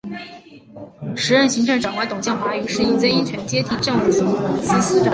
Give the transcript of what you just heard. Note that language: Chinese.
时任行政长官董建华于是以曾荫权接替政务司司长。